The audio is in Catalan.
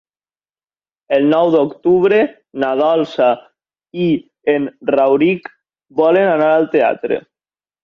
El nou d'octubre na Dolça i en Rauric volen anar al teatre.